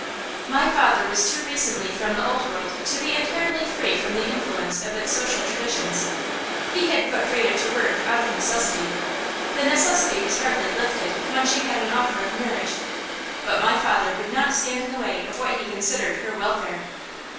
My father was too recently from the Old World to be entirely free from the influence of its social traditions. He had put Frieda to work out of necessity. The necessity was hardly lifted when she had an offer of marriage, but my father would not stand in the way of what he considered her welfare.